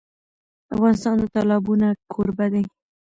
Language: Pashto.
افغانستان د تالابونه کوربه دی.